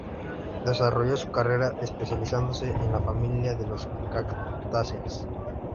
Desarrolló su carrera especializándose en la familia de las cactáceas.